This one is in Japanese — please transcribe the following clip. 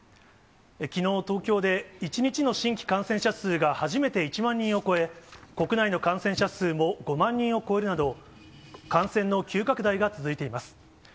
きのう、東京で１日の新規感染者数が初めて１万人を超え、国内の感染者数も５万人を超えるなど、感染の急拡大が続いています。